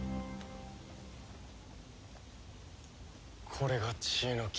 これが知恵の樹。